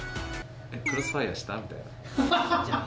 クロスファイアした？みたいな。